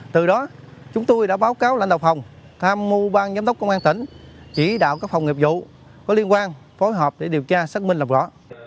từ đó chúng tôi đã báo cáo lãnh đạo phòng tham mưu bang giám đốc công an tỉnh chỉ đạo các phòng nghiệp vụ có liên quan phối hợp để điều tra xác minh làm rõ